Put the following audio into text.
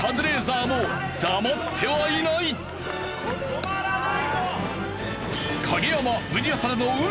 止まらないぞ！